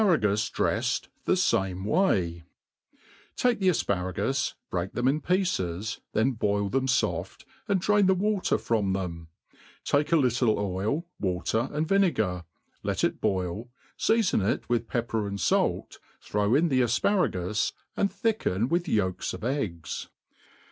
T OF COOKERY^ ' J/pwrtgus dreffed tht famt Way^ TAKE the afparagusy break them in pieces, then boil thettf fofc, and drain the water from them : take a little oi], water^ and vinegar, let it boil, feafon it with pepper and fait, throw io the afparagus, and thicken with yoiks of eggs.